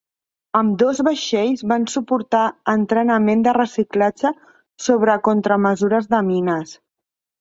Ambdós vaixells van suportar entrenament de reciclatge sobre contramesures de mines.